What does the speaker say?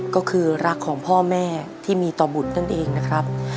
ก็คือรักของพ่อแม่ที่มีต่อบุตรนั่นเองนะครับ